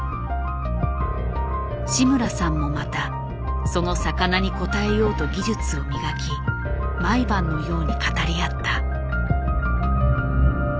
志村さんもまたその魚に応えようと技術を磨き毎晩のように語り合った。